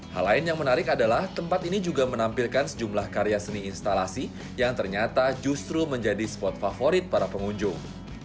hal lain yang menarik adalah tempat ini juga menampilkan sejumlah karya seni instalasi yang ternyata justru menjadi spot favorit para pengunjung